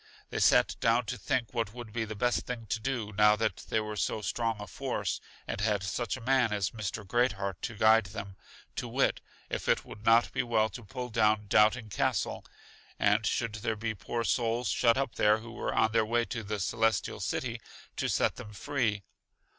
They sat down to think what would be the best thing to do, now that they were so strong a force, and had such a man as Mr. Great heart to guide them; to wit, if it would not be well to pull down Doubting Castle, and should there be poor souls shut up there who were on their way to The Celestial City, to set them free.